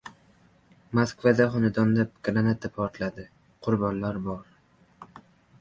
Moskvadagi xonadonda granata portladi. Qurbonlar bor